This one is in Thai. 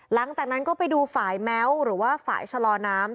หลังจากนั้นก็ไปดูฝ่ายแม้วหรือว่าฝ่ายชะลอน้ำ